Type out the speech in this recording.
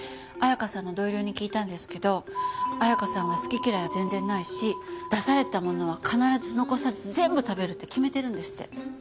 彩華さんの同僚に聞いたんですけど彩華さんは好き嫌いは全然ないし出されたものは必ず残さず全部食べるって決めてるんですって。